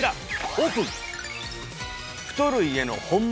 オープン！